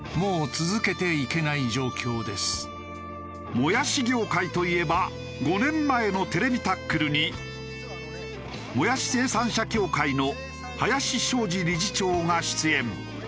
もやし業界といえば５年前の『ＴＶタックル』にもやし生産者協会の林正二理事長が出演。